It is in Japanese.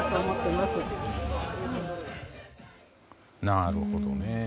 なるほどね。